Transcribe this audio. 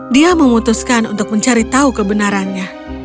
dia memutuskan untuk mencari tahu kebenarannya